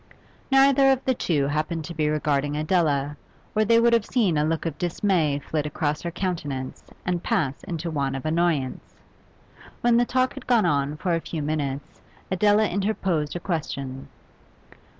Neither of the two happened to be regarding Adela, or they would have seen a look of dismay flit across her countenance and pass into one of annoyance. When the talk had gone on for a few minutes Adela interposed a question.